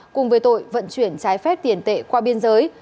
cùng với tội vận chuyển trái phép tiền tệ qua biên giới